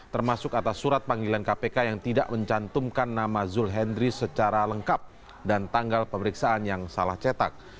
termasuk atas surat panggilan kpk yang tidak mencantumkan nama zul hendri secara lengkap dan tanggal pemeriksaan yang salah cetak